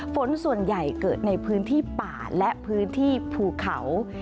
ฝนส่วนใหญ่เกิดในพื้นที่ป่าและพื้นที่ภูเขา